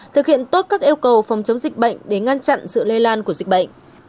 thực hiện tốt các yêu cầu phòng chống dịch bệnh để ngăn chặn sự lây lan của dịch bệnh